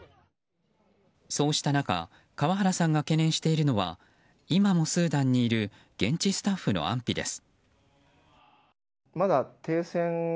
そうした中、川原さんが懸念しているのは今もスーダンにいる現地スタッフの安否です。